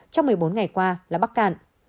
trong một mươi bốn ngày qua là bắc cạn